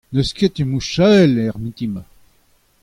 N'eus ket ur mouch avel er mintin-mañ.